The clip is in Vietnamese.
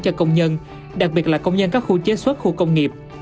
cho công nhân đặc biệt là công nhân các khu chế xuất khu công nghiệp